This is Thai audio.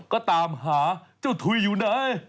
ก็ตามหาเจ้าถุยอยู่ไหน